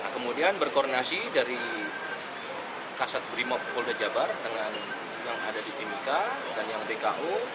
kemudian berkoordinasi dari kasat brimob polda jabar dengan yang ada di timika dan yang bko